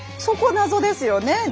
そこ謎ですよね。